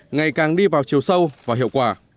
ngày càng đi vào chiều sâu và hiệu quả